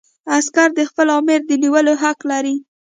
عسکر د خپل آمر د نیولو حق لري.